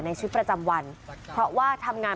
ในชีวิตประจำวันเพราะว่า